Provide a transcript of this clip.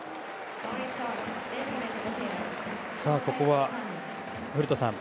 ここは古田さん